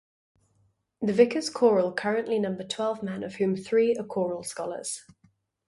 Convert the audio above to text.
The Vicars Choral currently number twelve men, of whom three are choral scholars.